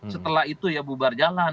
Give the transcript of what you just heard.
setelah itu ya bubar jalan